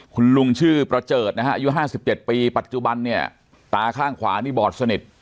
คุณลุงชื่อประเจิดนะฮะอายุ๕๗ปีปัจจุบันเนี่ยตาข้างขวานี่บอดสนิท